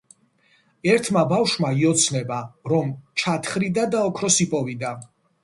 ერთმა ბავშვმა იოცნება, რომ ჩათხრიდა და ოქროს იპოვიდა.